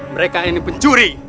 mereka ini pencuri